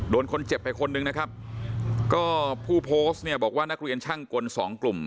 โดนคนเจ็บไปคนนึงนะครับก็ผู้โพสต์เนี่ยบอกว่านักเรียนช่างกลสองกลุ่ม